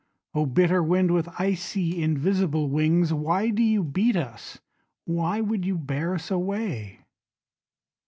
Oh bitter wind with icy invisible wings Why do you beat us? Why would you bear us away?